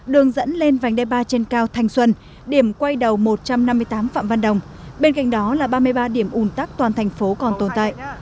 đường dẫn lên vành đai ba trên cao thành xuân điểm quay đầu một trăm năm mươi tám phạm văn đồng bên cạnh đó là ba mươi ba điểm ủn tắc toàn thành phố còn tồn tại